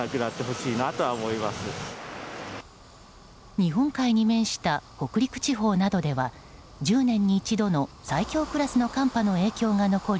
日本海に面した北陸地方などでは１０年に一度の最強クラスの寒波の影響が残り